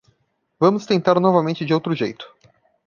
Vamos tentar novamente de outro jeito